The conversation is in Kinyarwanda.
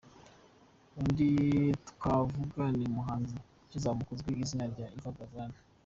Undi twavuga ni umuhanzi ukizamuka uzwi ku izina rya Yvan Bravan.